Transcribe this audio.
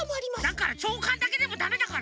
だからちょうかんだけでもダメだから！